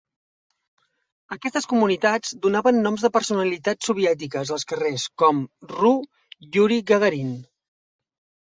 Aquestes comunitats donaven noms de personalitats soviètiques als carrers, com "rue Youri Gagarine".